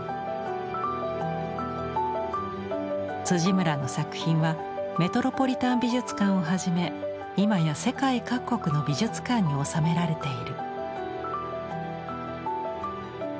村の作品はメトロポリタン美術館をはじめ今や世界各国の美術館に収められている。